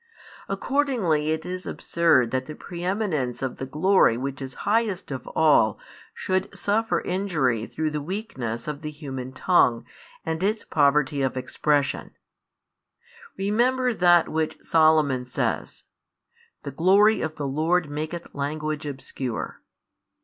Accordingly it is absurd that the preeminence of the glory which is highest of all should suffer injury through the weakness of the human tongue and its poverty of expression. Remember that which Solomon says: The glory of the Lord maketh language obscure.